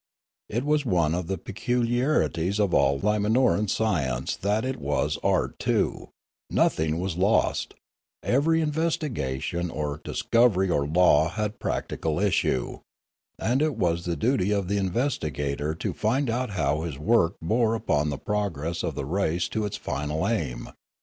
It was one of the peculiarities of all Limanoran science that it was art too; nothing was lost; every investigation or dis covery or law had practical issue; and it was the duty of the investigator to find out how his work bore upon the progress of the race to its final aim.